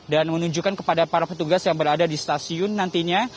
dan menunjukkan kepada para petugas yang berada di stasiun nantinya